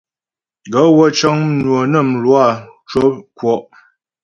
Gaə̂ wə́ cə́ŋ mnwə̀ nə mlwǎ cwə́ ŋkwɔ́'.